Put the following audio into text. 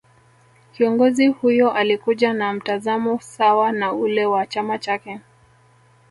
Kiongozi huyo Alikuja na mtazamo sawa na ule wa chama chake